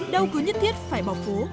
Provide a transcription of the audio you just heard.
đâu cứ nhất thiết phải bỏ phố